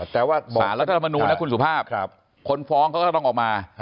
สารรัฐธรรมนูลนะคุณสุภาพคนฟ้องก็ต้องออกมา